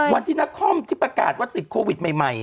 วันนที่หน้าคอมที่ประกาศว่าติดโควิดใหม่อ่ะ